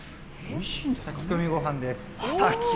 炊き込みごはんです。